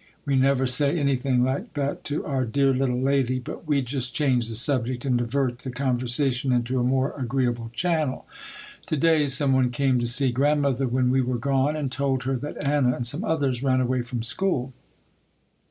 '" We never say anything like that to our "dear little lady," but we just change the subject and divert the conversation into a more agreeable channel. To day some one came to see Grandmother when we were gone and told her that Anna and some others ran away from school.